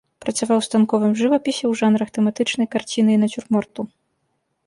Працаваў у станковым жывапісе ў жанрах тэматычнай карціны і нацюрморту.